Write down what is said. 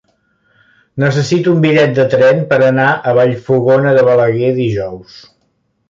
Necessito un bitllet de tren per anar a Vallfogona de Balaguer dijous.